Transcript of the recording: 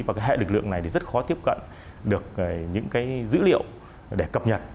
và cái hệ lực lượng này thì rất khó tiếp cận được những cái dữ liệu để cập nhật